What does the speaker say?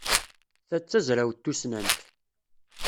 Ta d tazrawt tussnant.